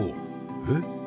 えっ？